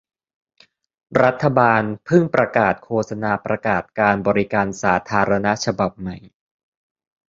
รัฐบาลเพิ่งประกาศโฆษณาประกาศการบริการสาธารณะฉบับใหม่